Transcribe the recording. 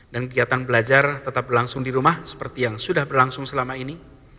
dan kegiatan belajar tetap berlangsung di rumah seperti yang sudah berlangsung selama ini